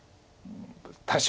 多少。